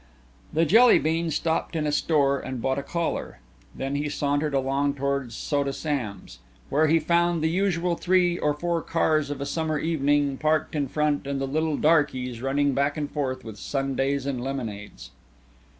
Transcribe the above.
The Jelly bean stopped in a store and bought a collar. Then he sauntered along toward Soda Sam's, where he found the usual three or four cars of a summer evening parked in front and the little darkies running back and forth with sundaes and lemonades.